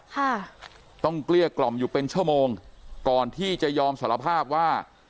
ค่ะต้องเกลี้ยกล่อมอยู่เป็นชั่วโมงก่อนที่จะยอมสารภาพว่า